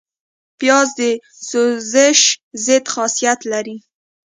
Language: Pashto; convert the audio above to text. پیاز د سوزش ضد خاصیت لري